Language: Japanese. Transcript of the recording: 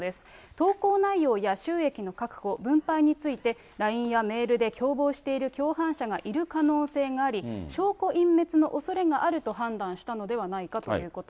投稿内容や収益の確保、分配について、ＬＩＮＥやメールで共謀している共犯者がいる可能性があり、証拠隠滅のおそれがあると判断したのではないかということ。